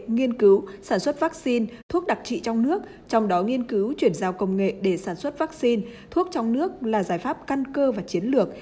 nghiên cứu sản xuất vắc xin thuốc đặc trị trong nước trong đó nghiên cứu chuyển giao công nghệ để sản xuất vắc xin thuốc trong nước là giải pháp căn cơ và chiến lược